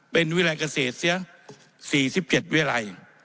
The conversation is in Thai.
เป็นวิรายเกษตรเสียสี่สิบเจ็ดวิรัย